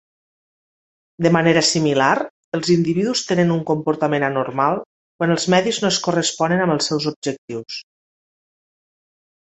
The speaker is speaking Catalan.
De manera similar, els individus tenen un comportament anormal quan els medis no es corresponen amb els seus objectius.